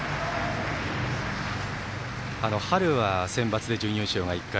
春はセンバツで準優勝が１回。